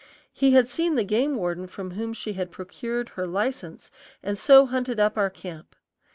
He had seen the game warden from whom she had procured her license, and so hunted up our camp.